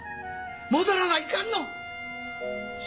戻らないかんの！